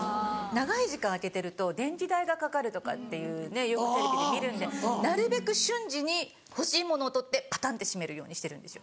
長い時間開けてると電気代がかかるとかっていうねよくテレビで見るんでなるべく瞬時に欲しいものを取ってパタンって閉めるようにしてるんですよ。